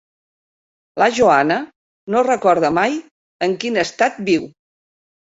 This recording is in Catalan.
La Joana no recorda mai en quin estat viu.